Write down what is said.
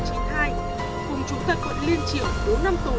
cùng chủ tật gọi liên triệu bốn năm tù